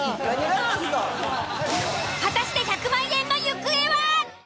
果たして１００万円の行方は！？